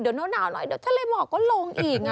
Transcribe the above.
เดี๋ยวหนาวหน่อยเดี๋ยวทะเลหมอกก็ลงอีก